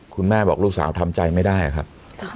คุณแม่บอกลูกสาวทำใจไม่ได้ครับ